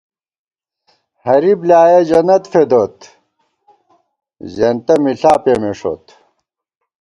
ہَرِی بلیایہ جنّت فېدوت، زېنتہ مِݪا پېمېݭوت